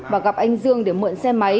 và gặp anh dương để mượn xe máy